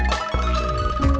terima kasih so falarnya